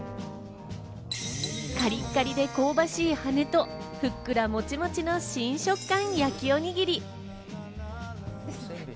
カリカリで香ばしい羽根とふっくらモチモチの新食感焼きおにぎり。